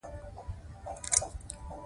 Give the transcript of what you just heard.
ښوونځي د پوهې او رڼا ځايونه دي.